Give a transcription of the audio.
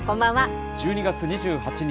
１２月２８日